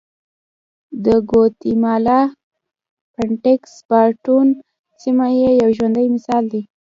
د ګواتیمالا پټېکس باټون سیمه یې یو ژوندی مثال دی